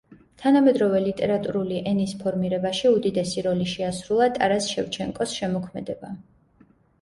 თანამედროვე ლიტერატურული ენის ფორმირებაში უდიდესი როლი შეასრულა ტარას შევჩენკოს შემოქმედებამ.